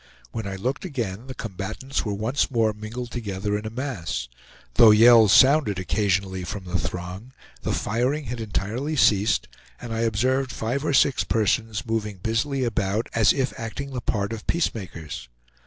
When I looked again, the combatants were once more mingled together in a mass. Though yells sounded, occasionally from the throng, the firing had entirely ceased, and I observed five or six persons moving busily about, as if acting the part of peacemakers.